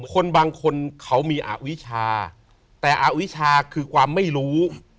คนบางคนเขามีอวิชาแต่อวิชาคือความไม่รู้